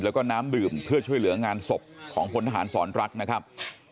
แล้วก็น้ำดื่มเพื่อช่วยเหลืองานศพของพลทหารสอนรักนะครับ